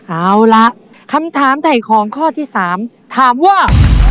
เอาล่ะคำถามไถ่ของข้อที่๓ถามว่า